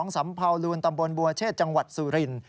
สำเภาลูนตำบลบัวเชษจังหวัดสุรินทร์